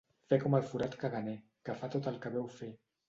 Fer com el forat caganer, que fa tot el que veu fer.